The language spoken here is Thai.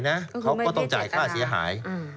เขาก็ต้องจ่ายค่าเสียหาย